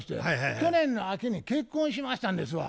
去年の秋に結婚しましたんですわ。